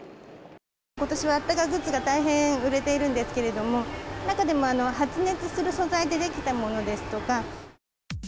ことしはあったかグッズが大変売れているんですけれども、中でも発熱する素材で出来たものですとか。